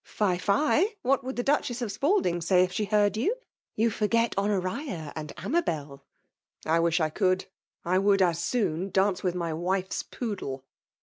''Fie, fie!— What would the Duchess of Spalding say if she heard you? — ^You forget Honoria and Amabel ?"'' I wish I could !— I would as sOon dance with my wife's poodle